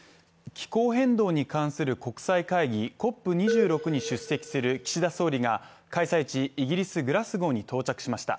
気候変動に関する国際会議ＣＯＰ２６に出席する岸田総理が開催地イギリス・グラスゴーに到着しました。